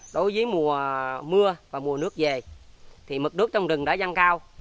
đối với mùa mưa và mùa nước về thì mực nước trong rừng đã giăng cao